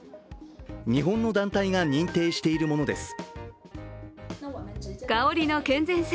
日本の団体が認定しているものです。